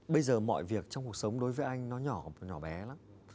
bây giờ mọi việc trong cuộc sống đối với anh nó nhỏ và nhỏ bé lắm